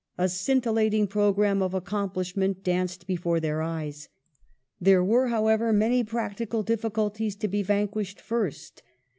A scintillating programme of accomplishment danced before their eyes. There were, however, many practical difficul ties to be vanquished first.